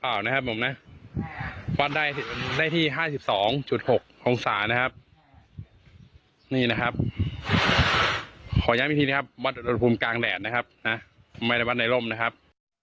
อุณหภูมิกลางแดดนะครับไมละวันในร่มนะครับ